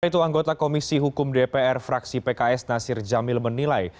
itu anggota komisi hukum dpr fraksi pks nasir jamil menilai